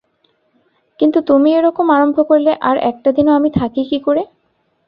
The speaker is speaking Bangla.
কিন্তু তুমি এরকম আরম্ভ করলে আর একটা দিনও আমি থাকি কী করে?